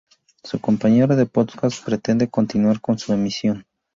Su compañero de podcast pretende continuar con su emisión.